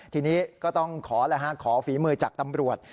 ทีนี้ก็ต้องขอฝีมือจากตำรวจ